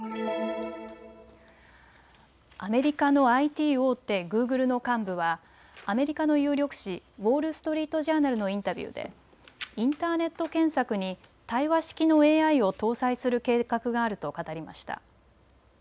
アメリカのＩＴ大手、グーグルの幹部は、アメリカの有力紙、ウォール・ストリート・ジャーナルのインタビューで、インターネット検索に対話式のＡＩを搭載する計画があると語りました。